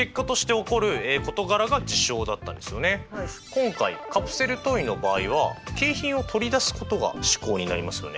今回カプセルトイの場合は景品を取り出すことが試行になりますよね。